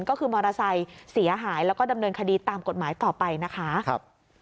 ก็คือมอเตอร์ไซค์เสียหายแล้วก็ดำเนินคดีตามกฎหมายต่อไปนะคะครับ